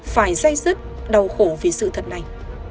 phải dây dứt đau khổ vì sự thật này